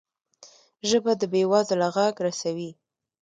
ژبه د بې وزله غږ رسوي